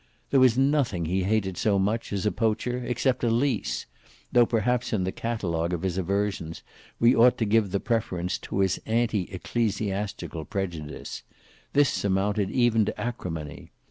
There was nothing he hated so much as a poacher, except a lease; though perhaps in the catalogue of his aversions, we ought to give the preference to his anti ecclesiastical prejudice: this amounted even to acrimony.